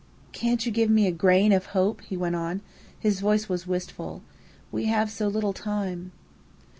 "Can't you give me a grain of hope?" he went on. His voice was wistful. "We have so little time."